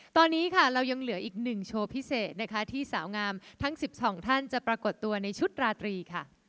ตอนนี้ค่ะเรายังเหลืออีกหนึ่งโชว์พิเศษนะคะที่สาวงามทั้ง๑๒ท่านจะปรากฏตัวในชุดราตรีค่ะ